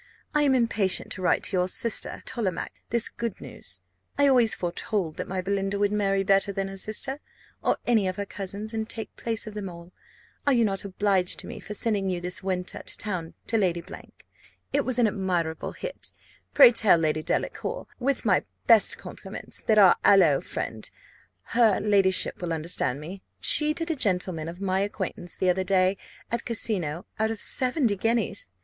I am impatient to write to your sister Tollemache this good news. I always foretold that my Belinda would marry better than her sister, or any of her cousins, and take place of them all. Are not you obliged to me for sending you this winter to town to Lady ? It was an admirable hit. Pray tell Lady Delacour, with my best compliments, that our aloe friend (her ladyship will understand me) cheated a gentleman of my acquaintance the other day, at casino, out of seventy guineas.